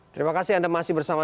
terima kasih anda masih bersama